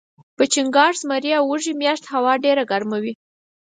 په چنګاښ ، زمري او وږي میاشت هوا ډیره ګرمه وي